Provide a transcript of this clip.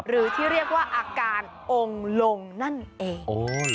หรือที่เรียกว่าอาการองค์ลงนั่นเอง